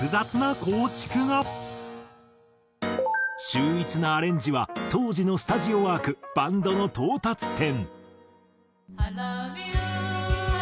秀逸なアレンジは当時のスタジオワークバンドの到達点。